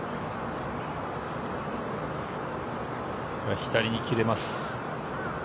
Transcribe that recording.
左に切れます。